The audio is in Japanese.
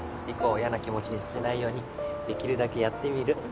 リコをやな気持ちにさせないようにできるだけやってみる。